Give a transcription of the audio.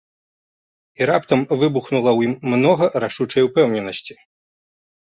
І раптам выбухнула ў ім многа рашучай упэўненасці.